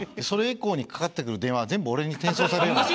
それ以降にかかってくる電話は全部俺に転送される。